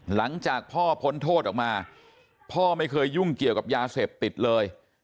หลังจากพ่อพ้นโทษออกมาพ่อไม่เคยยุ่งเกี่ยวกับยาเสพติดเลย